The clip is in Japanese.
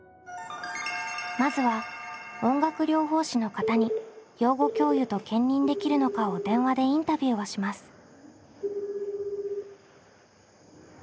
まずは音楽療法士の方に養護教諭と兼任できるのかを電話でインタビューをします。